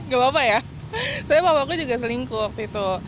gak apa apa ya soalnya papa aku juga seringkuh waktu itu